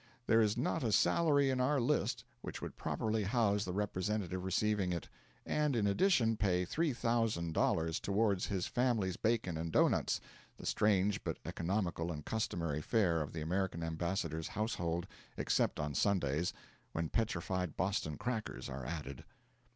There is not a salary in our list which would properly house the representative receiving it, and, in addition, pay $3,000 toward his family's bacon and doughnuts the strange but economical and customary fare of the American ambassador's household, except on Sundays, when petrified Boston crackers are added.